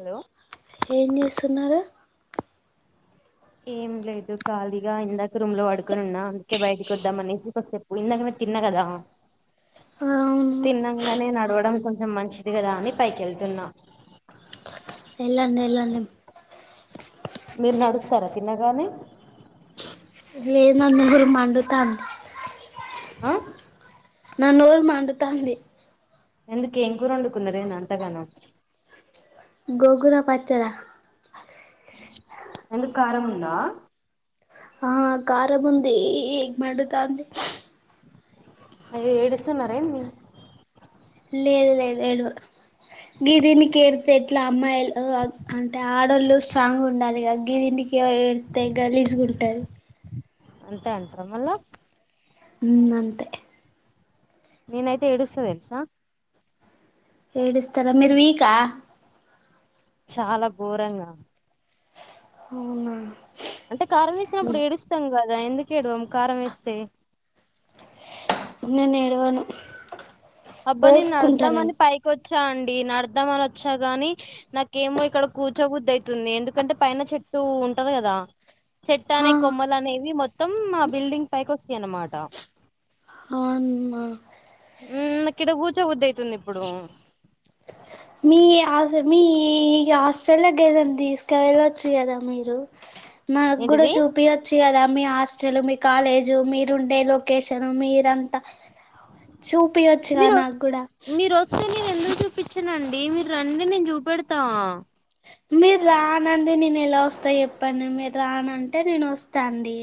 hello ఏం జేస్తున్నరు ఏం లేదు ఖాళీగా ఇందాక రూమ్ లో పడుకొనున్నా అందుకే బయటకి వద్దాం అనేసి ఒక చెప్పు ఇంద తిన్న కదా ఆ, అవును తిన్నంగానే నడవడం కొంచెం మంచిది కదా అని పైకి వెళ్తున్నా ఎళ్ళండి వెళ్ళండి మీరు నడుత్తరా తినగానే లేదు నా నోరు మండుతాంది ఆ నా నోరు మండుతాంది ఎందుకు ఏం కూర వండుకున్నరేను అంతగానం గోంగూర పచ్చడ ఎందు కారం ఉందా ఆ కారం ఉంది మండుతాంది అయ్యో ఏడుస్తున్నారా ఏమి లేదు లేదు ఏలు గిధినికే ఏరితే ఎట్లా అమ్మాయిలు అంటే ఆడళ్ళు సాంగ్ ఉండాది కదా గిరి ఎవరు ఏడితే గలీజ్గుంటది అంతే అంటర మళ్ళా ఉమ్ అంతే నేనైతే ఏడుస్త తెల్సా ఏడుస్తారా మీరు వీకా చాలా ఘోరంగా అవునా అంటే కారం వేసినప్పుడు ఏడుస్తాం కదా ఎందుకు ఎడ్వం కారం వేస్తే నేను ఎడ్వను అబ్బా నేన్ నడుద్దమని పైకి వ వచ్చా అండి నడుద్దామని వచ్చా గాని నాకేమో ఇక్కడ కూర్చోబుద్దు అయితుంది ఎందుకంటే పైన చెట్ టూ ఉంటది కదా చెట్ట అనే కొమ్మలు అనేవి మొత్తం ఆ బిల్డింగ్ పైకి వస్తాయి అన్నమాట అవ్న్న ఉ నాకిడ కూర్చో బుద్ధి అయితుంది ఇప్పుడు మీ అస్ మీ హాస్ట్రల్ కే ఏదనా తీసుకెళ్ళొచ్చు కదా మీరు మా కూడా ఏంటిది చూపియెచ్చు కదా మీ హాస్టల్ మీ కాలేజు మీరు ఉండే లొకేషన్ మీరంతా చూపియొచ్చుగా మీరు నాగుడా వచ్చేనండి మీరు రండి నేను చూపెడతా మీరు రానండి నేను ఎలా వస్తా చెప్పండి మీరు రానంటే నేను వస్తా అండి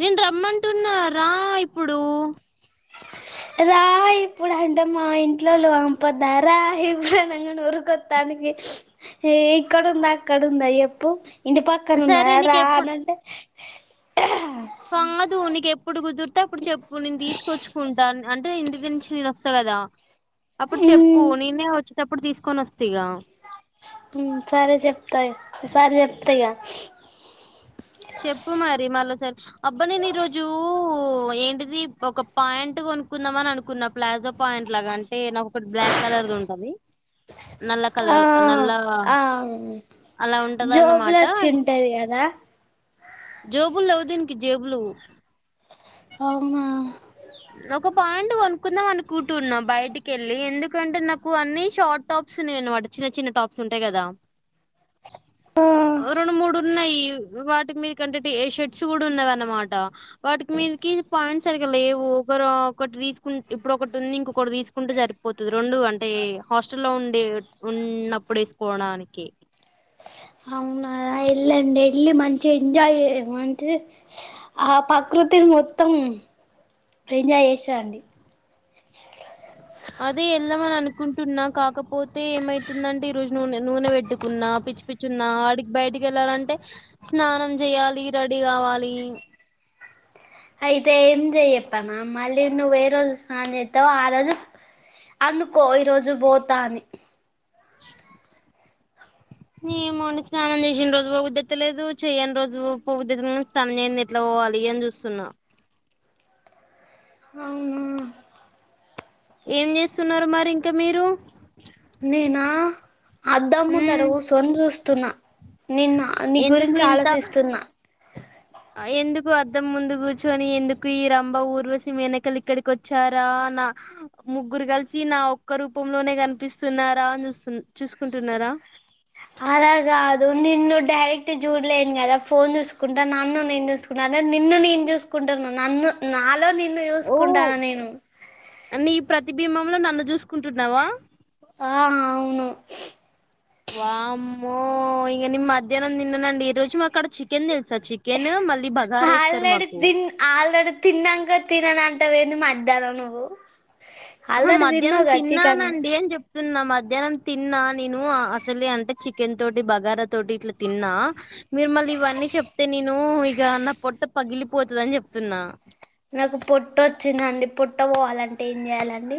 నేను రమ్మంటున్నా రా ఇప్పుడు రా ఇప్పుడు అంటే మా ఇంట్లో లోంపోద్దా రా ఇప్పుడు అనంగ ఊరికొత్తాని ఇక్కడుందా అక్కడుందా ఎప్పు ఇంటి సరే పక్కనున్నదా నీకు రా ఎప్పుడు అనంటే కాదు నికి ఎప్పుడు కుదురు తె అప్పుడు చెప్పు నేను తీసుకొచ్చుకుంటాను అంటే ఇంటి నుంచి నేను వస్తా కదా అప్పుడు చెప్పు నిన్నే వచ్చేటప్పుడు తీసుకొని వస్తిగా సరే చెప్తా ఈసారి చెప్తా ఇగా చెప్పు మరి మాల్లోసారి అబ్బా నేను ఈరోజు ఏంటిది ఒక పాయింట్ కొనుకుందాం అని అనుకున్నా ప్లాజో పాయింట్ లాగాం అంటే నాకు ఒకటి బ్లాక్ కలర్ది ఉంటుంది నల్ల కలర్ నల్ల అలా ఉంటది అన్నమాట జోబులొచ్చింటది కదా జోబులేవు దీనికి జేబులు అమ్ ఒక పాయింట్ కొనుక్కుందాం అనుకుంటున్నా బయటికెళ్ళి ఎందుకంటే నాకు అన్ని షార్ట్ టాప్ స్ ఉన్నాయ్ అనమాట చిన్న చిన్న టాప్స్ ఉంటాయి కదా రెండు మూడు ఉన్నాయి వాటికి మీరు కంటే షెట్స్ కూడా ఉన్నావనమాట వాటికి మీదకి పాయింట్స్ సరిగా లెవ్ ఇ ఒకరు ఒకటి తీసుకుంట ఇప్పుడు ఒకటి ఉంది ఇంకొకటి తీసుకుంటే సరిపోతది రెండు అంటే హాస్ట లో ఉన్ ఉండే ఉన్నప్పుడు వేసుకోడానికి ఎల్లి మంచి ఎంజాయ్ చెయ్ మంచి ఆ ప్రకృతిని మొత్తం ఏంజాయ్ చేసి రండి [inaudible] అదే ఎళ్దమని అనుకుంటున్నా కాకపోతే ఏమైతుందంటే ఈ రోజు నూనె నూనె పెట్టుకున్నా పిచ్చి పిచ్చున్నా ఆడికి బయటికి వెళ్ళాలంటే స్నానం చెయాలి రెడీ కావాలి [inaudible] అయితే ఏం చెయ్యప్పనా మళ్ళీ నువు ఏ రోజు స్నానం చెత్తావో ఆ రోజు అనుకో ఈరోజు పోతా అని [inaudible] ఏమోండి స్నానం చేసిన రోజు పోబుద్ధైతలేదు చెయని రోజు పోబుద్దైతుంది కాని స్నానం చెయ్యంది ఎట్లా పోవాలి అని చూస్తున్నా అవునా ఏం చేస్తున్నారు మరి ఇంకా మీరు నేనా అద్దమ్ముందర ఉమ్, గుసోని చూస్తున్నా నిన్న నీ ఎందుకు గురించి ఇంత ఆలోచిస్తున్నా ఎందు అద్దం ముందు కూర్చొని ఎందుకు ఈ రంబ ఊర్వశీ మేనకలు ఇక్కడికి వచ్చారా నా ముగ్గురు కలిసి నా ఒక్క రూపంలోనే కనిపిస్తున్నారా అని చూస్తు చూసుకుంటున్నారా అలా కాదు నిన్ను డైరెక్ట్ చూడలేను కదా ఫోన్ చూసుకుంటా నన్ను నేను చూసుకుంటా నిన్ను నేను చూసుకుంటున్నా నన్ను నాలో నిన్ నన్ను ఓ చూసుకుంటాన నేను నీ ప్రతిబింబంలో నన్ను చూసుకుంటున్నావా ఆ అవును వామ్మో ఇగ నిమ్ మధ్యానం తిననండి ఈ రోజు మాకడ చికెన్ తెల్సా చికెన్ మళ్ళీ బగార్ ఎస్తారు మాకు తిన్నంక తినను అంటావెంది మధ్యానం నువ్వు ఆల్రెడీ తిన్నావ్ కదా చికెన్ స్తున్నా మధ్యానం తిన్నా నేను అసలే అంటే చికెన్ తోటి బగారా తోటి ఇట్లా తిన్నా మీరు మళ్ళీ ఇవన్నీ చెప్తే నేను ఇగ నా పొట్ట పగిలిపోతుందని చెప్తున్నా నాకు పొట్ట వచ్చిందండి పొట్ట పోవాలంటే ఏం చెయాలండి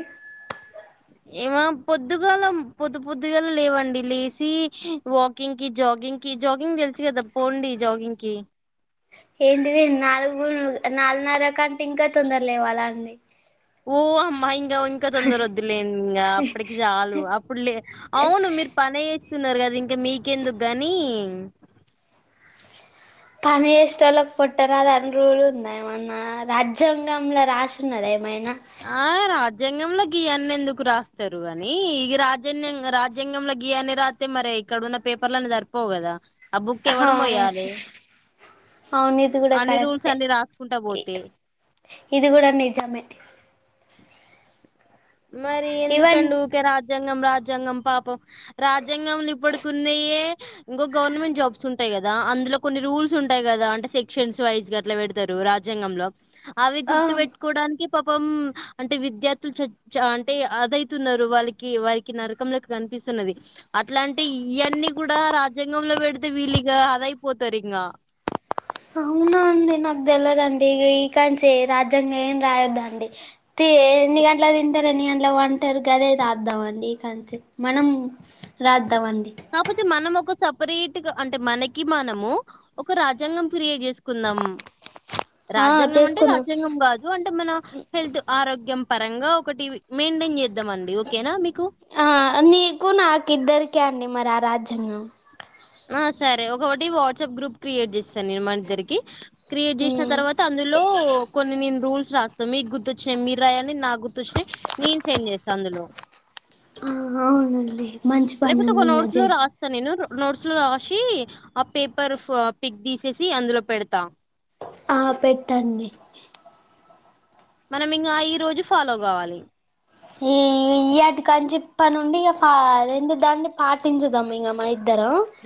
ఏమ పొద్దుగాల పొద్దు పొద్దుగాల లేవండి లేసి వాకింగ్ కి జాగింగ్ కి జాగింగ్ తెలుసు కదా పోండి జాగింగ్ కి ఏంటిది నాలుగురు నాలుగున్నర కంటే ఇంకా తొందర లేవాలండి ఓ అమ్మా ఇం ఇంకా తొందర వద్దులే ఇంగ అప్పటికి చాలు అప్పుడు లే అవును మీరు పని చేస్తున్నారు కదా ఇంకా మీకెందుకు గాని [unintelligible] పని చేసేటోళ్లకు పొట్టరాదు అని రూల్ ఉంద ఏమన్నా రాజ్యాంగంలో రాసిన్నదే ఆ రాజ్ రాజ్యాంగం లో గియన్ని ఎందుకు రాస్తారు గానీ ఇగ రాజన్ రాజ్యాంగంలో గియాన్ని రాస్తే మరి ఇక్కడ ఉన్న పేపర్లలను సరిపోవు కదా ఆ బుక్ ఎవ్వడు అవును మోయాలే అవును ఇది కూడా అన్ని రూల్స్ కరెక్టే అన్ని రాసుకుంటా పోతే ఇది కూడా నిజమే మరి ఈవెన్ ఎందుకండి ఊకే రాజ్యాంగం రాజ్యాంగం పాపం రాజ్యాంగంలో ఇప్పుడుకున్నాయే ఇంకో గవర్నమెంట్ జాబ్స్ ఉం టయి కదా అందులో కొన్ని రూల్స్ ఉంటాయి కదా అంటే సెక్షన్స్ వైజ్ అట్లా పెడతారు రాజ్యాంగంలో అవి ఆ గుర్తు పెట్టుకోవడానికి పాపం అంటే విద్యార్థులు చ చ అంటే అదైతున్నారు వాళ్ళకి వారికి నరకంలోకి కనిపిస్తున్నది అట్లాంటే ఇయన్నీ కూడా రాజ్యాంగంలో పెడితే విళ్ళింగా అదయిపోతారు ఇంగ అవున అండి నాకు తెలదండి ఇకంచి రాజ్యాంగ ఏం రాయద్దండి తి ఎన్నిగన్ గంటలకు తింటరు ఎన్ని గంటలకు వంటరు గదే రద్దామండి ఇక అంతే మనం రా కాపోతే మనం ఒక సపరేట్గా అంటే మనకి మనము ఒక రాజ్యాంగం క్రియేట్ చేసుకుందాం ఆ రాజ్యాంగం అంటే చేసుకుందాం రాజ్యాంగం కాదు అంటే మన హెల్త్ ఆరోగ్యం పరంగా ఒకటి మెండన్ చే ఆ నీకు నాకు ఇద్దరికే అండి మర ఆ రాజ్యంగం ఆ సరే ఒకొకటి వాట్సాప్ గ్రూప్ క్రియేట్ చేస్తా నేను మనిద్దరికి క్రియేట్ చేసిన ఉమ్ తర్వాత అందులో కొన్ని నేను రూల్స్ రా మీకు గుర్తొచ్చినై మీర్ రాయలి నాక్ గుర్తొచ్చినై నేను సెండ్ చేస్తా అందులో ఆ అవునండి మంచి లేపోతే ఒక పనండి ఇంగా నోడ్స్లు చే రాస్తా నెను రొ నోడ్స్ లో రాశి ఆ పేపర్ పిక్ తీసేసి అందులో పెడతా ఆ పెట్టండి మనం ఇంగా ఈ రోజు ఫాలో గావాలి ఎ ఈయ్యటి కంచి ఇప్పనుండి ఇగ పా అదేంది దాన్ని పాటించదాం ఇంగ మ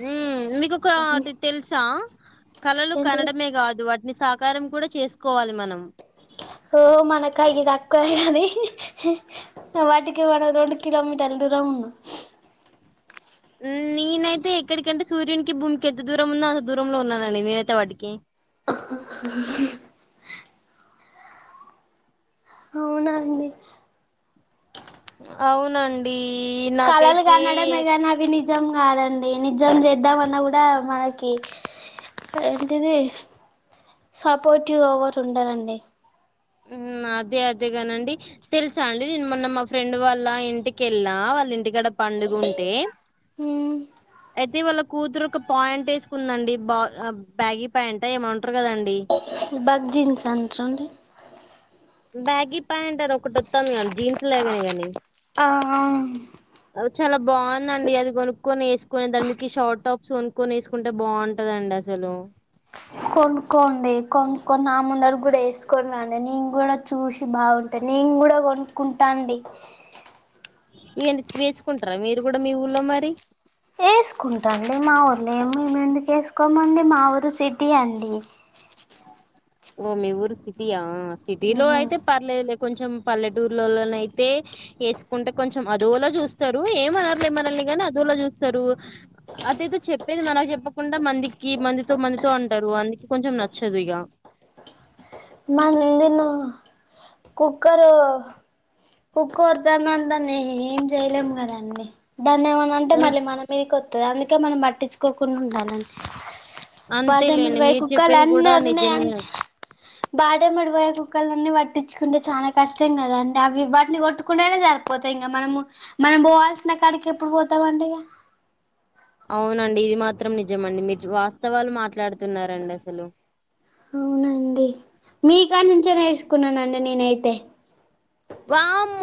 ఉం మీకు ఒకటి తెలుసా కళలు ఏంటిది కనడమే కాదు వాటిని సాకారం కూడా చేసుకోవాలి మనం ఓ మనకైయ్యి దక్కవ్ కనీ వాటికి మనం రెండు కిలోమీటర్ల దూరం ఉంగ్ [unintelligible] ఉమ్ నేనైతే ఎక్కడికంటే సూర్యునికి భూమికి ఎంత దూరం ఉన్నో అంత దూరంలో ఉన్నానండి నేనైతే వాటికి [unintelligible] [unintelligible] అవునండి అవునండి కాలలు నాకైతే కనడమే గని అవి ని నిజం గాదండి నిజం చేద్దామన్నా కూడా మనకి ఏంటిది సపోర్టివ్ ఎవర్ ఉండరండి ఉమ్ అదే అదేగానండి తెలుసా అండి నేన్ మొన్న మా ఫ్రెండ్ వాళ్ళ ఇంటికెళ్ళా వాళ్ళ ఇంటికాడ పండుగుంటే అయితే వాళ్ళక్ కూతురు ఒక పాయింట్ ఎసుకుందండి బా బ్యాగి పాయింట ఏమంటారు కదం బగ్ జీన్స్ అంట్రాండి బ్యాగి ప్యాంట్ అనొకటత్తంగా జీన్స్లగానే గని ఆ అవును కొనుకొనెసుకొని దాన్ మీకి షార్ట్ టాప్స్ కొనుక్కొని ఎసుకుంటే బాగుంటదండి అసలు కొనుక్కోండి కొనుక్కని నా ముందడికి కూడా ఎసుకొని రండి నేను కూడా చూసి బాగుంటనె నేన్ గుడా కొనుక్కుంటా అండి వేంది స్వేసుకుంటారా మీరు కూడా మీ ఊర్లో మరి ఎసుకుంటాండి మా ఊర్లే మేమ్ ఎందుకు ఎసుకోమండి మా ఊరు సిటీ అండి ఓ మీ ఊరు సిటీ ఆ సిటీలో అయితే పర్లేదులె కొంచెం పల్లెటూరులలోనయితే ఎసుకుంటే కొంచెం అదోలా చూస్తారు ఏమనర్లే మనల్ని గని అదోలా చూస్తారు అదేదో చెప్పేది మనకు చెప్పకుండా మందికి మందితో మందితో అంటారు అందుకె కొంచెం న చ్చదిగా [unintelligible] కుక్కరు కుక్కర్ తోనాం దాన్ని ఏం జెయలేమ్ కదండి దాన్ని ఏమనాంటే అన్- మళ్ళీ మన మీదికి వత్తది అందుకే మనం పట్టించుకోకుండా ఉండాలండి అంతేలేండి బాటేమ్మాడిబోయ్యి మీరు చెప్పేది కూడా నిజమే కుక్కాలన్నోర్రినయని బాటేమ్మడి పోయే కుక్కలన్నీ పట్టించుకుంటే చానా కష్టం కదా అండి అవ్వి వాటిని కొట్టుకునేదే సరిపోతా ఇంగ మనము మనం బోవాల్సిన కాడికి ఎప్పుడు పోతామండి ఇగ [inaudible] అవునండి ఇది మాత్రం నిజమండి మీరు వాస్తవాలు మాట్లాడుతున్నారండసలు అవునండి మీకానుంచే నేర్సుకున్నానండి నేనైతే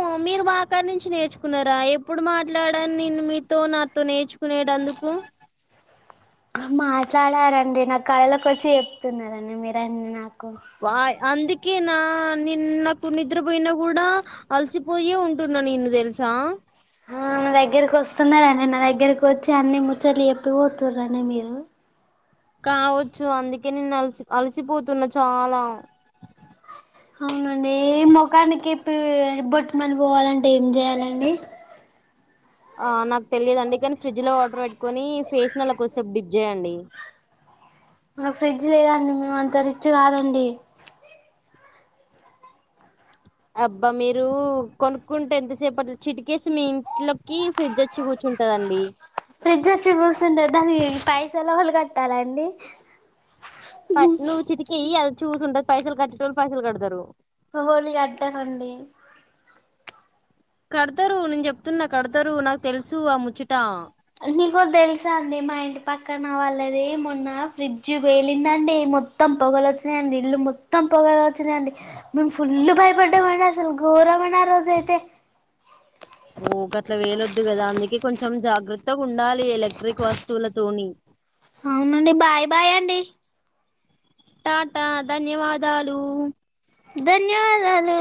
ఒ మీరు మా కానుంచి నేర్చుకున్నారా ఎప్పుడు మాట్లాడ నేను మీతో నాతో నేర్చుకునేటందుక్ తుం అ మాట్లాడారండి నా కలలకొచ్చి చెప్తున్నారండి మీరన్ని నాక్ వాయ్ అందు కేనా నిన్ నాకు నిద్రపోయినా కూడా అలసిపోయే ఉంటున్నా నేను తెలుసా ఒ నా దగ్గరకి వస్తున్నద నిన్న దగ్గరకి వచ్చి అన్ని ముచ్చట్లు చెప్పిపోతుర్రనె మీరు కావచ్చు అందుకే నేన్ అల్సి అల్సిపోతున్నా చాలా అవునండి ఎ ముఖానికెప్పి బోట్మల్ పోవాలంటే ఏం చేయాలండి [inaudible] ఆ నాక్ తెలియదండి కానీ ఫ్రిడ్జ్ లో వాటర్ పెట్టుకొని ఫేస్ నల్ల కొద్దిసేపు డిప్ చేయండి [inaudible] మాకు ఫ్రిడ్జ్ లేదండి మేము అంత రిచ్ కాదండి అబ్బా మీరు కొనుక్కుంటే ఎంతసేపట్ల చిటికేస్తె మీ ఇంట్లోకి ఫ్రిడ్జ్చ్చి కూర్చు కుంటదండి ఫ్రిడ్జ్చ్చి కూసుంటే దాని పైసల్ ఎవల్ కట్టాలండి ప నువ్వు చిటుకెయ్యి అదచ్చి కుసుంటది పైసల్ కట్టేటోళ్ళు పైసల్ కడుతరు ఎవల్ని కట్టనండి కడతరు నేన్ చెప్తున్నా కడతరు నాకు తెలుసు ఆ ముచ్చట నీకొ తెలుసా అండి మా ఇంటి పక్కన వాళ్ళది మొన్న ఫ్రిడ్జ్ పెలిందండి మొత్తం పొగలచ్చినయండి ఇల్లు మొత్తం పొగలచ్చినయండి మేమ్ ఫుల్ భయపడ్డమండి అసల్ గోరమండి ఆ రోజయితే [inaudible] ఓ గట్లా పెలొద్దు గదా అందుకే కొంచెం జాగ్రత్తగా ఉండాలి ఎలక్ట్రిక్ వస్తువులతోని [inaudible] అవునండి బాయ్ బాయ్ అండి టాటా ధన్యవాదాలు ధన్యవాదాలు